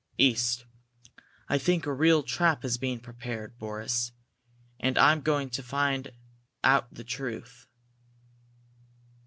"East. I think a real trap is being prepared, Boris. And I'm going to try to find out the truth!"